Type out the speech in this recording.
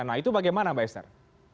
nah itu bagaimana mbak esther